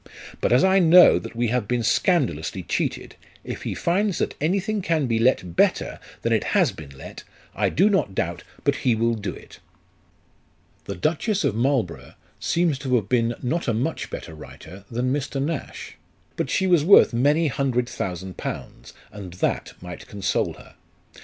But as I know that we have been scandalously cheated, if he finds that anything can be let better than it has been let, I do not doubt but he will do it." 78 LIFE OF RICHARD NASH. The Duchess of Marlborough seems to have been not a much better writer than Mr. Nash ; but she was worth many hundred thousand pounds, and that might console her.